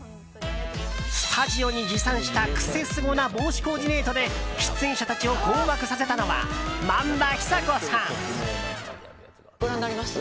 スタジオに持参したクセスゴな帽子コーディネートで出演者たちを困惑させたのは萬田久子さん。